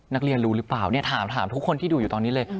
นักเรียนรู้หรือเปล่าเนี่ยถามทุกคนที่ดูอยู่ตอนนี้เลย